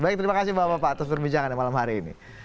baik terima kasih bapak bapak atas perbincangannya malam hari ini